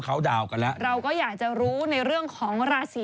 ฟันทง